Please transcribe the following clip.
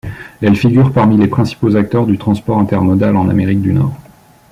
Elle figure parmi les principaux acteurs du transport intermodal en Amérique du Nord.